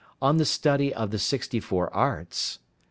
On the study of the Sixty four Arts.